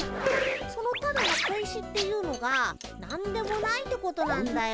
そのただの小石っていうのが何でもないってことなんだよ。